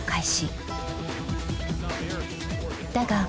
［だが